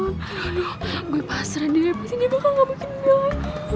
aduh gue pasrah nih lepas ini bakal gak bikin nilai